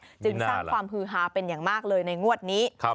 นี่หน้าละจึงสร้างความพื้นฮาเป็นอย่างมากเลยในงวดนี้